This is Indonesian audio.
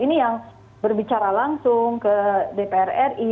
ini yang berbicara langsung ke dpr ri